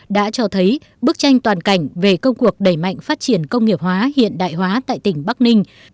đã cho thấy bức tranh toàn cảnh về công cuộc đẩy mạnh phát triển công nghiệp hóa hiện đại hóa tại tỉnh bắc ninh